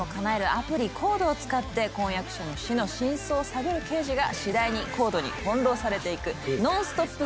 アプリＣＯＤＥを使って婚約者の死の真相を探る刑事が次第にＣＯＤＥに翻弄されていくノンストップ